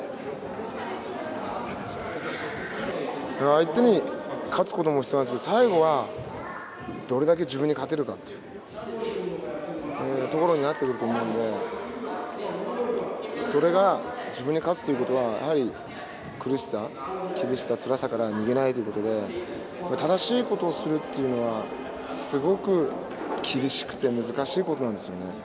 相手に勝つことも必要なんですけど最後はどれだけ自分に勝てるかっていうところになってくると思うんでそれが自分に勝つということはやはり苦しさ厳しさつらさから逃げないということで正しいことをするというのはすごく厳しくて難しいことなんですよね。